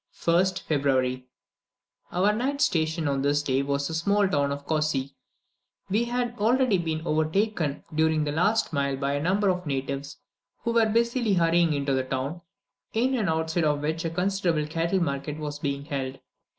1st February. Our night's station on this day was the small town of Cossi. We had already been overtaken during the last mile by a number of natives, who were busily hurrying into the town, in and outside of which a considerable cattle market was being held.